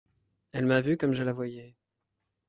Elle m’a vu comme je la voyais...